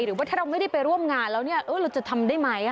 หรือว่าถ้าเราไม่ได้ไปร่วมงานแล้วเนี่ยเราจะทำได้ไหม